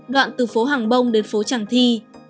đoạn từ phố hàng bông đến phố tràng thi